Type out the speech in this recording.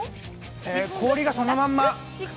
氷がそのまんま？